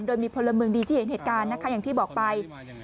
โดยมีพลเมืองดีที่เห็นเหตุการณ์นะคะอย่างที่บอกไป